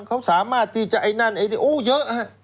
เขาสามารถที่จะไอ้นั่นไอ้โอ้เยอะฮะ